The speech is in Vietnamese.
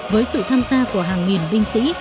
với sự tham gia của hàng nghìn binh sĩ